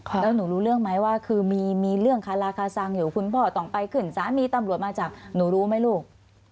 แล้วหนูรู้เรื่องไหมว่าคือมีเรื่องคาราคาซังอยู่คุณพ่อต้องไปขึ้นสามีตำรวจมาจับหนูรู้ไหมลูก